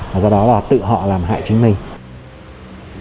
và do đó là tự họ làm hại chính mình